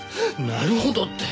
「なるほど」って。